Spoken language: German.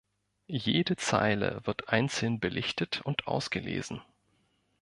Jede Zeile wird einzeln belichtet und ausgelesen.